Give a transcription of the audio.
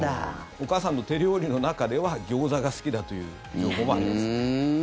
お母さんの手料理の中ではギョーザが好きだという情報もありますね。